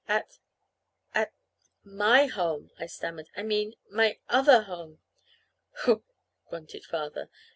"At at my home," I stammered. "I mean, my other home." "Humph!" grunted Father.